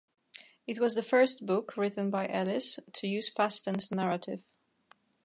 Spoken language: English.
It was the first book written by Ellis to use past tense narrative.